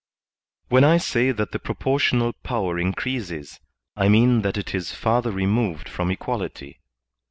When I say that the proportional power increases, I mean that it is farther removed from equality.